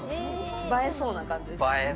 映えそうな感じですね。